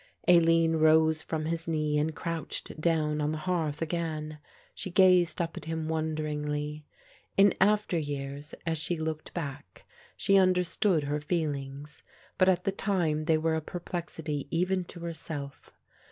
Aline rose from his knee and crouched down on the hearth again. She gazed up at him wonderingly. In after years as she looked back she understood her feelings; but at the time they were a perplexity even to herself.